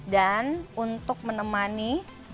dan untuk menemani